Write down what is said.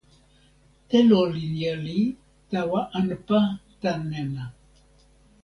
telo linja li tawa anpa tan nena